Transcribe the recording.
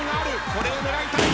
これを狙いたい。